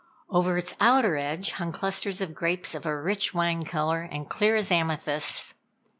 Over its outer edge hung clusters of grapes of a rich wine color, and clear as amethysts.